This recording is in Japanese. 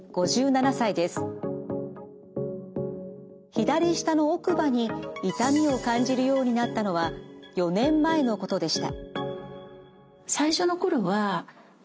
左下の奥歯に痛みを感じるようになったのは４年前のことでした。